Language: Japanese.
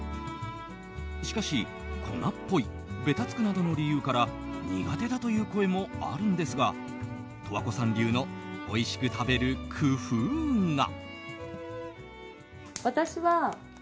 しかし、粉っぽいベタつくなどの理由から苦手だという声もあるんですが十和子さん流のおいしく食べる工夫が。